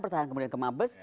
pertahanan kemudian ke mabes